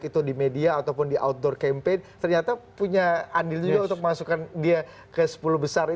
tetap bersama kami